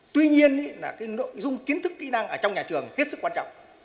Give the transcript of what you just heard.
tuy nhiên là cái nội dung kiến thức kỹ năng ở trong nhà trường hết sức quan trọng